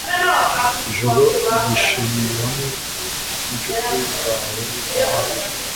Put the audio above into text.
ijoro ryishimiye hamwe ninshuti zawe za hafi